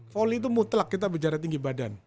volley itu mutlak kita bicara tinggi badan